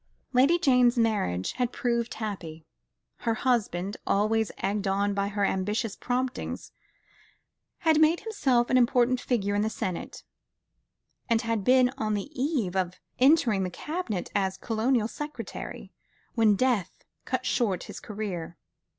Lady Jane's marriage had proved happy. Her husband, always egged on by her ambitious promptings, had made himself an important figure in the senate, and had been on the eve of entering the cabinet as Colonial Secretary, when death cut short his career.